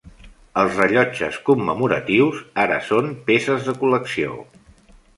Els rellotges commemoratius ara són peces de col·lecció.